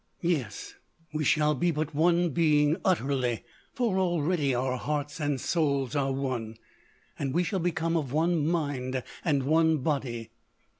"Yes.... We shall be but one being.... Utterly.... For already our hearts and souls are one. And we shall become of one mind and one body.